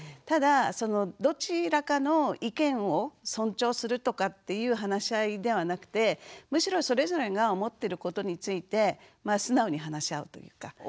ただどちらかの意見を尊重するとかっていう話し合いではなくてむしろそれぞれが思ってることについて素直に話し合うというか。